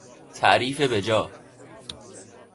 تعریف به جا